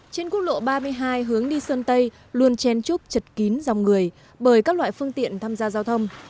trên quốc lộ ba mươi hai hướng đi sơn tây luôn chen trúc chật kín dòng người bởi các loại phương tiện tham gia giao thông